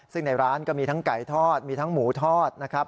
ซึ่งในร้านก็มีทั้งไก่ทอดมีทั้งหมูทอดนะครับ